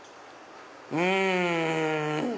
うん！